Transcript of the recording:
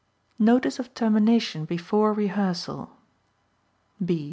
Notice of Termination Before Rehearsal B.